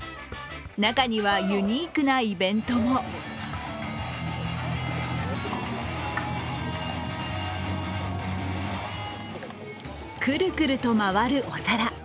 中にはユニークなイベントもくるくると回るお皿。